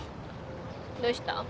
どうした？